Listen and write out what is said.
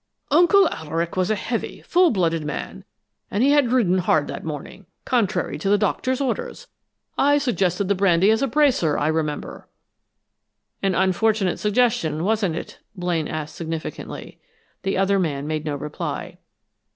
"Uncle Alaric was a heavy, full blooded man, and he had ridden hard that morning, contrary to the doctor's orders. I suggested the brandy as a bracer, I remember." "An unfortunate suggestion, wasn't it?" Blaine asked, significantly. The other man made no reply.